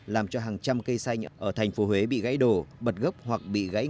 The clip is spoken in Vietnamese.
làm cho hàng trăm cây xanh ở thành phố huế bị gãy đổ bật gốc hoặc bị gãy đổ